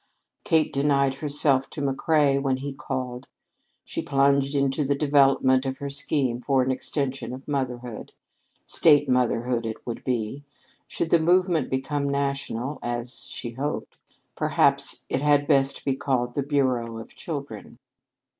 Kate denied herself to McCrea when he called. She plunged into the development of her scheme for an extension of motherhood. State motherhood it would be. Should the movement become national, as she hoped, perhaps it had best be called the Bureau of Children.